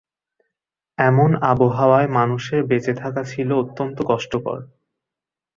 এমন আবহাওয়ায় মানুষের বেঁচে থাকা ছিল অত্যন্ত কষ্টকর।